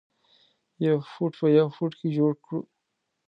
یو فټ په یو فټ کې جوړې کړو.